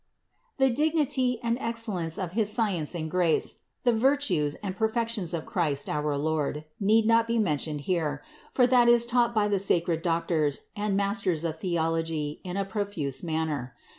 The dignity and ex cellence of his science and grace, the virtues and perfec tions of Christ our Lord need not be mentioned here, for that is taught by the sacred doctors and masters of theology in a profuse manner.